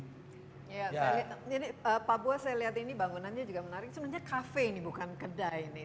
sebenarnya cafe ini bukan kedai ini